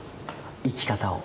生き方を。